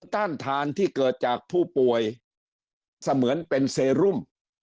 ต้านทานที่เกิดจากผู้ป่วยเสมือนเป็นเซรุม